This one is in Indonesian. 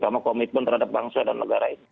dan juga komitmen terhadap bangsa dan negara ini